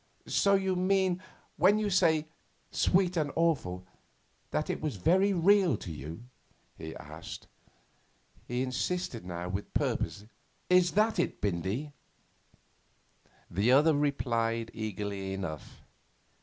'So you mean, when you say "sweet and awful," that it was very real to you?' he asked. He insisted now with purpose. 'Is that it, Bindy?' The other replied eagerly enough.